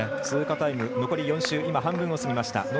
通過タイム残り４周、半分過ぎました。